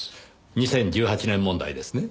２０１８年問題ですね？